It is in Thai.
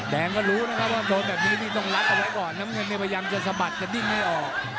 แดงก็รู้นะครับว่าโดนแบบนี้นี่ต้องรัดเอาไว้ก่อนน้ำเงินเนี่ยพยายามจะสะบัดจะดิ้นให้ออก